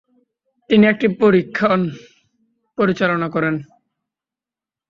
তিনি একটি পরীক্ষণ পরিচালনা করেন।